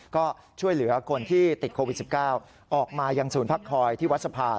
ก็ช่วยเหลือคนที่ติดโควิด๑๙ออกมายังศูนย์พักคอยที่วัดสะพาน